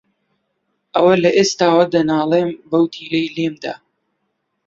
ئەوە لە ئێستاوە دەنالێم، بەو تیرەی لێم دا